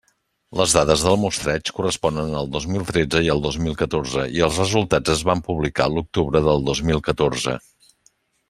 Les dades del mostreig corresponen al dos mil tretze i al dos mil catorze i els resultats es van publicar l'octubre del dos mil catorze.